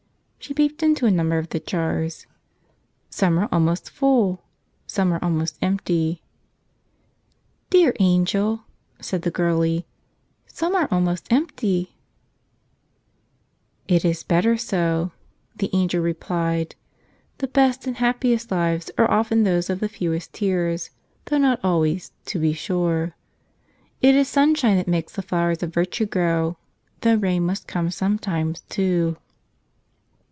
She peeped into a number of the jars. Some were almost full; some were almost empty. "Dear angel," said the girlie, "some are almost empty." 36 The Little Jar of Tears "It is better so," the angel replied. "The best and happiest lives are often those of the fewest tears, though not always, to be sure. It is sunshine that makes the flowers of virtue grow, though rain must come sometimes, too."